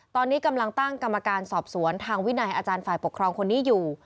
ตอนนี้กำลังตั้งกรรมการสอบสวนทางวินัยอาจารย์ฝ่ายปกครองคนนี้อยู่